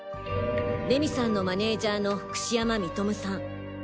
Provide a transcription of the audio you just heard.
礼美さんのマネージャーの櫛山認さん。